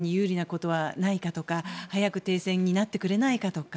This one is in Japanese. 何か、ウクライナに有利なことはないかとか早く停戦になってくれないかとか。